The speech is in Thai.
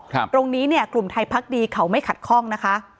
ตรงนี้เนี่ยกลุ่มไทยพักดีเขาไม่ขัดข้องนะคะ